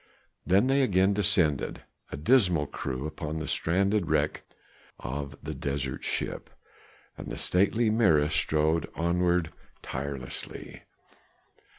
Then they again descended, a dismal crew, upon the stranded wreck of the desert ship. And the stately Mirah strode onward tirelessly.